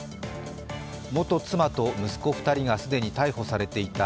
元妻と息子２人が既に逮捕されていた